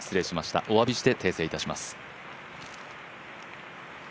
おわびして訂正いたします。